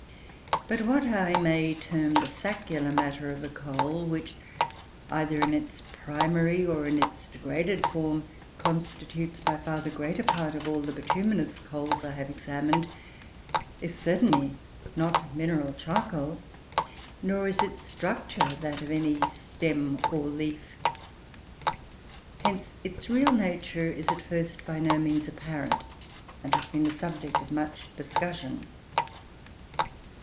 But what I may term the "saccular matter" of the coal, which, either in its primary or in its degraded form constitutes by far the greater part of all the bituminous coals I have examined, is certainly not mineral charcoal; nor is its structure that of any stem or leaf. Hence its real nature is at first by no means apparent, and has been the subject of much discussion.